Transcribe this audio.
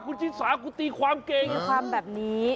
คุณชิสาคุณตีความเก่งตีความแบบนี้